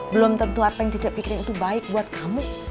belum tentu apa yang cica pikirin itu baik buat kamu